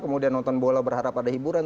kemudian nonton bola berharap ada hiburan